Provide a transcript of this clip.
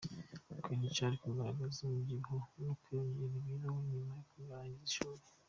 Queen Cha ari kugaragaza umubyibuho no kwiyongera kw'ibiro nyuma yo kurangiza ishuri.